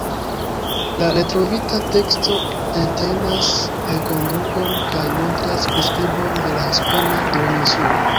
La retrovita teksto entenas enkondukon kaj montras priskribon de la hispana duoninsulo.